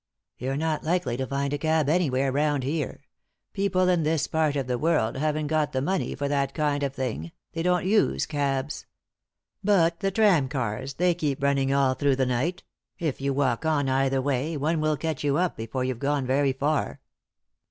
"You're not likely to find a cab anywhere round here ; people in this part of the world haven't got the money for that kind of thing— they don't use cabs. But the tram cars, they keep running all through the night ; if you walk on, either way, one will catch you up before you've gone very far."